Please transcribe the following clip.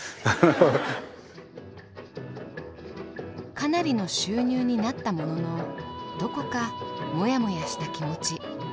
かなりの収入になったもののどこかもやもやした気持ち。